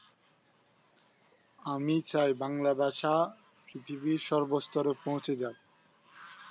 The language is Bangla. বিহারের চার দিকের দেয়াল পাঁচ মিটার পুরু।